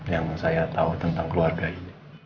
yang saya tahu tentang keluarga ini